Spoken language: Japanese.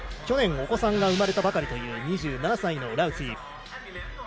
去年お子さんが生まれたばかりという２７歳のラウツィ。